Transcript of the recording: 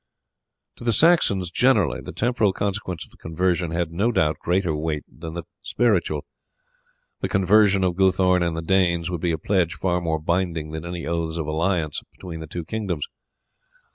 To the Saxons generally the temporal consequence of the conversion had no doubt greater weight than the spiritual. The conversion of Guthorn and the Danes would be a pledge far more binding than any oaths of alliance between the two kingdoms.